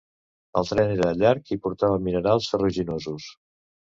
El tren era llarg i portava minerals ferruginosos.